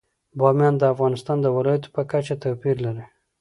بامیان د افغانستان د ولایاتو په کچه توپیر لري.